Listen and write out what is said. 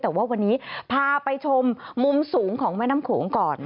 แต่ว่าวันนี้พาไปชมมุมสูงของแม่น้ำโขงก่อน